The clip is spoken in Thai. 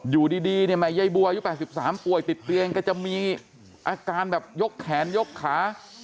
อยู่ดีเนี่ยแม่ยายบัวอายุ๘๓ป่วยติดเตียงก็จะมีอาการแบบยกแขนยกขา